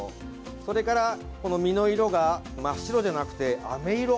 それから、この身の色が真っ白じゃなくて、あめ色。